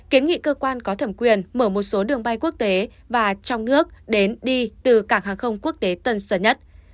kiến nghị cơ quan có thẩm quyền mở một số đường bay quốc tế và trong nước đến đi từ cảng hàng không quốc tế tân sơn nhất